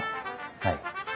はい。